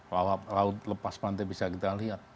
laut lepas pantai bisa kita lihat